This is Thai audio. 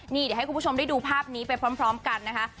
นี่เดี๋ยวให้คุณผู้ชมได้ดูภาพนี้ไปพร้อมกันนะคะ